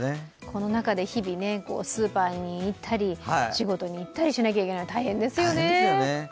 この中で日々、スーパーに行ったり仕事に行ったりしないといけない大変ですよね。